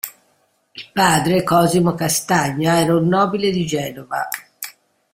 Il padre, Cosimo Castagna, era un nobile di Genova.